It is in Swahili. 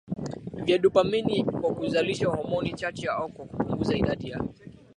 vya dopamini kwa kuzalisha homoni chache au kwa kupunguza idadi ya